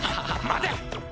待て！